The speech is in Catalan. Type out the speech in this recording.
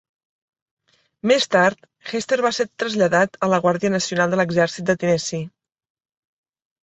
Més tard, Hester va ser traslladat a la Guàrdia Nacional de l'Exèrcit de Tennessee.